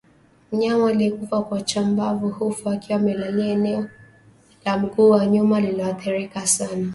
Mnyama aliyekufa kwa chambavu hufa akiwa amelalia eneo la mguu wa nyuma lililoathirika sana